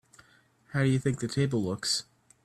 How do you think the table looks?